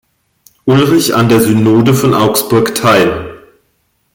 Ulrich an der Synode von Augsburg teil.